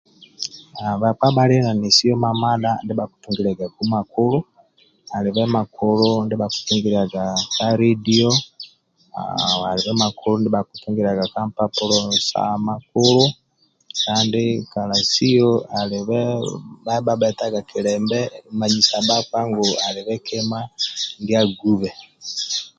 Haaa bhakpa bhali na nesio mamadha ndia bhakitungilyagaku makuku alibe makulu ndibha kitungilyaga ka ledio haaa alibe makulu ndibha kitungilyaga ka mpapulo sa makulu kandi kalasio alibe yabhabhetaga kilembe manyisa bhakpa ngu alibe kima ndia agube